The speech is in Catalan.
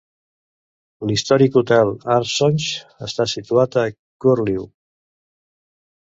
L'històric hotel Ansorge està situat a Curlew.